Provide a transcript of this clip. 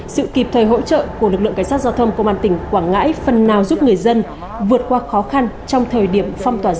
sự kịp thời hỗ trợ của lực lượng cảnh sát giao thông công an tỉnh quảng ngãi phần nào giúp người dân vượt qua khó khăn trong thời điểm phong tỏa giao thông